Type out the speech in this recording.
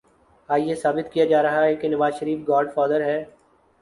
آج یہ ثابت کیا جا رہا ہے کہ نوازشریف گاڈ فادر ہے۔